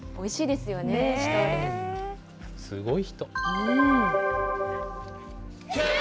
すごい人。